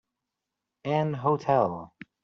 An hotel.